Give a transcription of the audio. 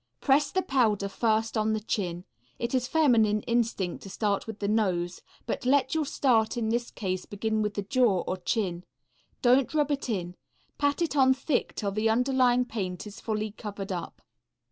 Press the powder first on the chin. It is feminine instinct to start on the nose, but let your start in this case begin with the jaw or chin. Don't rub it in. Pat it on thick till the underlying paint is fully covered up.